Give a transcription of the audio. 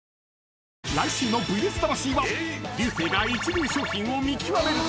［来週の『ＶＳ魂』は流星が一流商品を見極める］